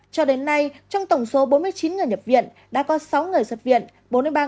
cho đến nay trong tổng số bốn mươi chín người nhập viện đã có sáu người xuất viện